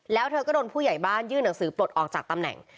แล้วเธอก็โดนผู้ใหญ่บ้านยื่นหนังสือปลดออกจากตำแหน่ง